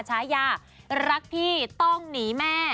ชายารักพี่ต้องหนีแม่